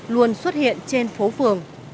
luôn xuất hiện trên phố phường